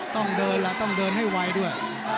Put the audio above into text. ต้องเดินล่ะต้องเดินให้ไวด้วย